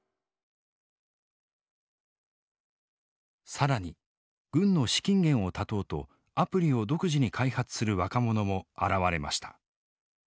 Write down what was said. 更に軍の資金源を断とうとアプリを独自に開発する若者も現れました。